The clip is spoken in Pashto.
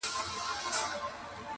دا ویده اولس به ویښ سي د ازل بلا وهلی -